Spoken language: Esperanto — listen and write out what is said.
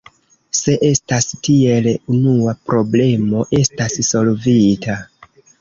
Se estas tiel, unua problemo estas solvita.